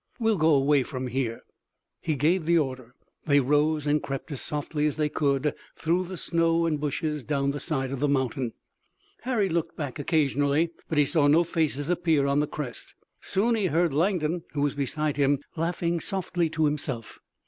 We'll go away from here." He gave the order. They rose and crept as softly as they could through the snow and bushes down the side of the mountain. Harry looked back occasionally, but he saw no faces appear on the crest. Soon he heard Langdon who was beside him laughing softly to himself.